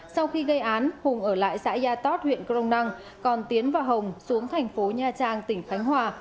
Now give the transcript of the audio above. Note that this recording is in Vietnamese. sau khi gây án hùng ở lại xã yatot huyện crong năng còn tiến và hồng xuống thành phố nha trang tỉnh khánh hòa